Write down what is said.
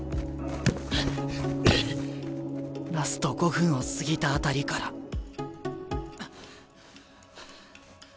ラスト５分を過ぎた辺りからハァハァハァ。